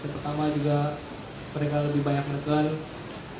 pertama juga mereka lebih banyak menekan